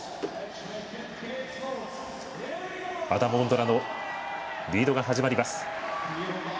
アダム・オンドラのリードが始まります。